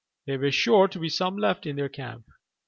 There were sure to be some left in their camp.